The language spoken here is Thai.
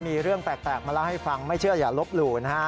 มีเรื่องแปลกมาเล่าให้ฟังไม่เชื่ออย่าลบหลู่นะฮะ